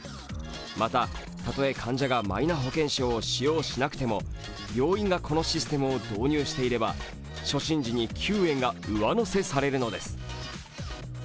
またたとえ患者がマイナ保険証を使用しなくても病院がこのシステムを導入していれば初診時に９円が上乗せされるのです